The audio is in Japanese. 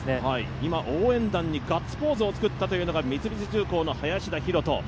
今、応援団にガッツポーズを作ったのが三菱重工の林田洋翔。